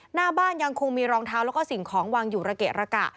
หน้าบ้านยังคงมีรองเท้าแล้วก็สิ่งของวางอยู่ระเกะระกะ